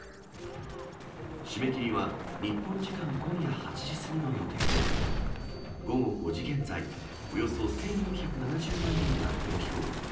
締め切りは日本時間今夜８時過ぎの予定で、午後５時現在、およそ１４７０万人が投票。